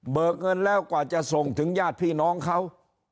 เงินแล้วกว่าจะส่งถึงญาติพี่น้องเขา